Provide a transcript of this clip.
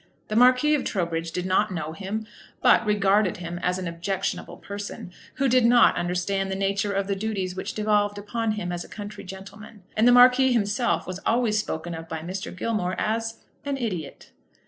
The Marquis of Trowbridge did not know him, but regarded him as an objectionable person, who did not understand the nature of the duties which devolved upon him as a country gentleman; and the Marquis himself was always spoken of by Mr. Gilmore as an idiot.